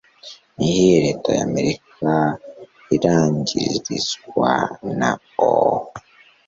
Niyihe leta ya Amerika irangirizwa na O